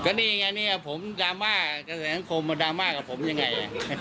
นี่ไงเนี่ยผมดราม่ากระแสสังคมมาดราม่ากับผมยังไง